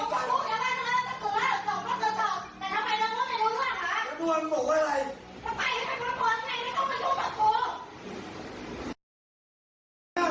ไม่ตายไม่ตายไม่ตายไม่ตายไม่ตายไม่ตายไม่ตายไม่ตายไม่ตายไม่ตาย